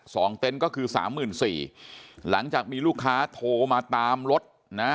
เต็นต์ก็คือสามหมื่นสี่หลังจากมีลูกค้าโทรมาตามรถนะ